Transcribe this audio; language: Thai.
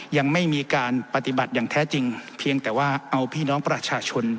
ยังไม่มีการปฏิบัติอย่างแท้จริงเพียงแต่ว่าเอาพี่น้องประชาชน